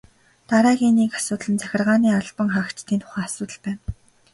Дараагийн нэг асуудал нь захиргааны албан хаагчдын тухай асуудал байна.